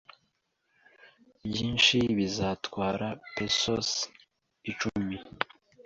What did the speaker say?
Byinshi, bizatwara pesos icumi.